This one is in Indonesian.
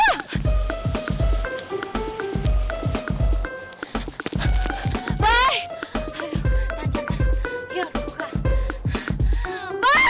aduh tahan tahan tahan